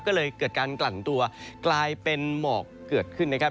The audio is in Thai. ก็เลยเกิดการกลั่นตัวกลายเป็นหมอกเกิดขึ้นนะครับ